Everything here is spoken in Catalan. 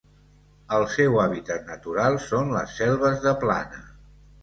El seu hàbitat natural són les selves de plana.